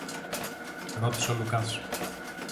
ρώτησε ο Λουκάς